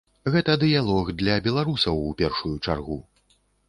Гэта дыялог для беларусаў у першую чаргу.